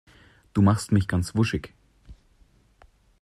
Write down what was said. Du machst mich ganz wuschig.